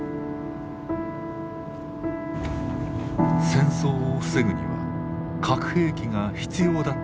戦争を防ぐには核兵器が必要だったのか。